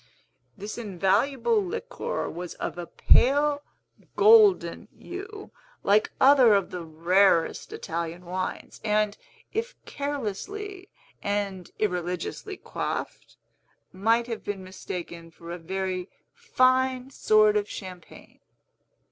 This invaluable liquor was of a pale golden hue, like other of the rarest Italian wines, and, if carelessly and irreligiously quaffed, might have been mistaken for a very fine sort of champagne.